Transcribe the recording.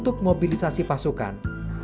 dan memobilisasi pasukan